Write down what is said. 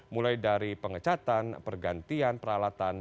mulai dari pengecatan pergantian peralatan